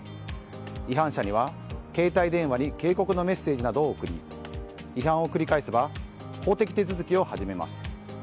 違反者には携帯電話に警告のメッセージなどを送り違反を繰り返せば法的手続きを始めます。